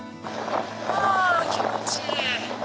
ハァ気持ちいい。